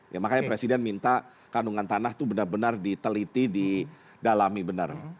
ya makanya presiden minta kandungan tanah itu benar benar diteliti didalami benar